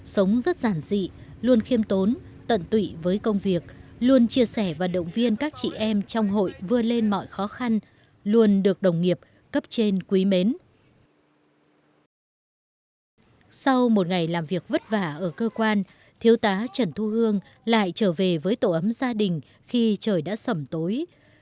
sau một ngày làm việc vất vả ở cơ quan thiếu tá trần thu hương lại trở về với tổ ấm gia đình khi trời đã sầm tối